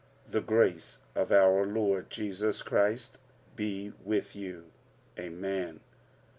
The grace of our Lord Jesus Christ be with you. Amen.